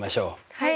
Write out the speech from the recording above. はい。